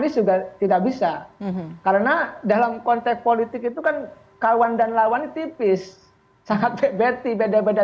juga tidak bisa karena dalam konteks politik itu kan kawan dan lawan tipis sangat betty beda beda